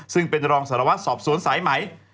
ซึ่งเป็นรองสารวัตรสอบสวนสายไหม